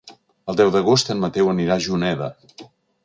El deu d'agost en Mateu anirà a Juneda.